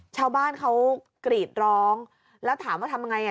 ชาวบ้านเขากรีดร้องแล้วถามว่าทำยังไงอ่ะ